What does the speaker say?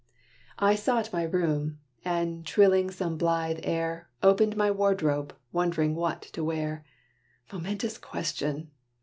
I sought my room, and trilling some blithe air, Opened my wardrobe, wondering what to wear. Momentous question!